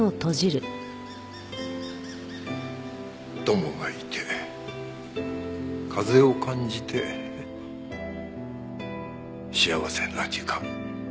友がいて風を感じて幸せな時間。